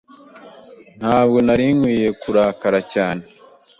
Ntabwo nari nkwiye kurakara cyane.